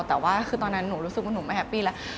แต่ว่าคือตอนนั้นหนูรู้สึกว่าหนูไม่แฮปปี้แล้ว